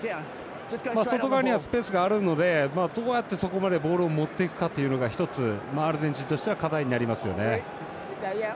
外側にはスペースがあるのでどうやってそこにボールを持っていくかというのが１つ、アルゼンチンとしては課題になりますよね。